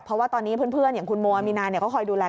เพราะว่าตอนนี้เพื่อนอย่างคุณโมอามีนาก็คอยดูแล